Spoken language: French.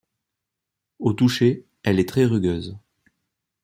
Au toucher elle est très rugueuse.